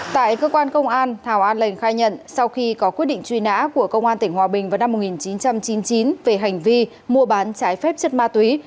tại cơ quan công an thảo an lành khai nhận sau khi có quyết định truy nã của công an tỉnh hòa bình vào năm một nghìn chín trăm chín mươi chín về hành vi mua bán trái phép chất ma túy